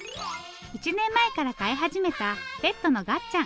１年前から飼い始めたペットのがっちゃん。